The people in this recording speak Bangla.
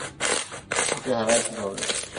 ওকে হারাই কীভাবে?